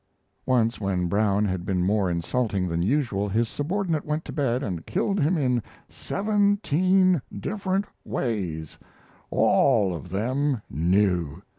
Once when Brown had been more insulting than usual his subordinate went to bed and killed him in "seventeen different ways all of them new."